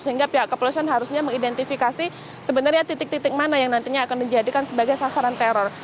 sehingga pihak kepolisian harusnya mengidentifikasi sebenarnya titik titik mana yang nantinya akan dijadikan sebagai sasaran teror